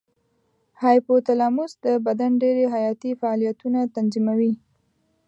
هایپو تلاموس د بدن ډېری حیاتي فعالیتونه تنظیموي.